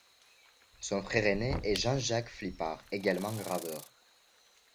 Son frère aîné est Jean-Jacques Flipart également graveur.